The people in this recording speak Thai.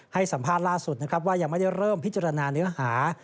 ให้สัมภาษณ์ล่าสุดนะครับว่ายังไม่ได้เริ่มพิจารณาเนื้อหา